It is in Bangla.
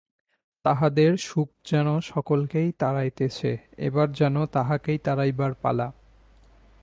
তাহাদের সুখ যেন সকলকেই তাড়াইতেছে, এবার যেন তাহাকেই তাড়াইবার পালা।